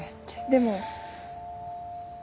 でも。